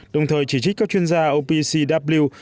đồng thời chỉ trích các chuyên gia opcw